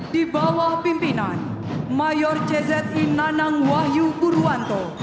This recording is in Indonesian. di bawah pimpinan mayor czi nanang wahyu purwanto